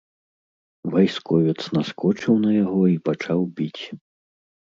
Вайсковец наскочыў на яго і пачаў біць.